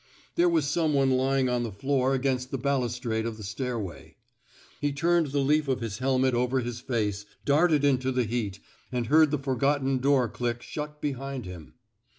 There was some one lying on the floor against the balustrade of the stairway. He turned the leaf of his helmet over his face, darted into the heat — and heard the for gotten door click shut behind him.